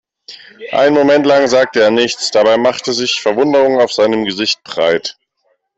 Einen Moment lang sagte er nichts, dabei machte sich Verwunderung auf seinem Gesicht breit.